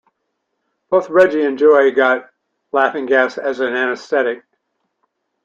Both Reggie and Joey get laughing gas as anaesthetic.